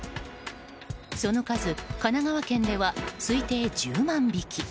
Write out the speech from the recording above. その数、神奈川県では推定１０万匹。